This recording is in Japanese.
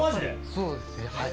そうですねはい。